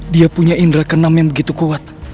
dia punya indera kenam yang begitu kuat